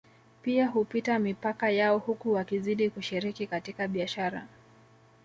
Pia hupita mipaka yao huku wakizidi kushiriki katika biashara